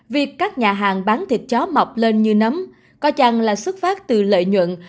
việc các nhà hàng bán thịt chó mọc lên như nấm có chăng là xuất phát từ lợi nhuận